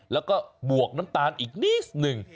แล้วก็บวกน้ำตาลอีกนิดหนึ่ง